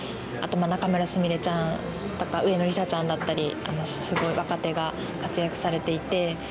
あとまあ仲邑菫ちゃんとか上野梨紗ちゃんだったりすごい若手が活躍されていて。